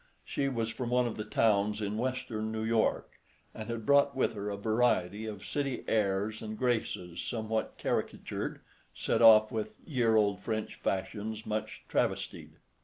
She was from one of the towns in Western New York, and had brought with her a variety of city airs and graces somewhat caricatured, set off with year old French fashions much travestied.